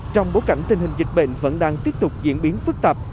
trong bối cảnh tình hình dịch bệnh vẫn đang tiếp tục diễn biến phức tạp